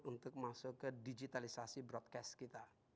untuk masuk ke digitalisasi broadcast kita